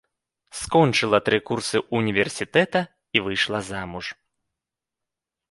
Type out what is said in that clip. Скончыла тры курсы ўніверсітэта і выйшла замуж.